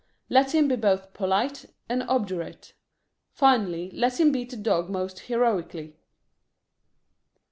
Let him be both polite and obdurate. Finally let him beat the dog most heroically.